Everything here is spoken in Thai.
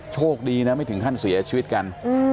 โชคดีนะไม่ถึงขั้นเสียชีวิตกัน